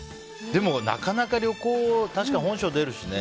でも、なかなか旅行って確かに本性出るしね。